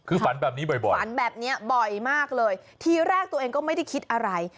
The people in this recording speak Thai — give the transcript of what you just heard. คือฝันแบบนี้บ่อยฝันแบบนี้บ่อยมากเลยทีแรกตัวเองก็ไม่ได้คิดอะไร